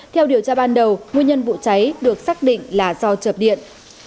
theo điều tra ban đầu nguyên nhân vụ cháy được xác định là do chập điện